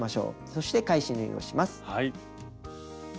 そして返し縫いをします。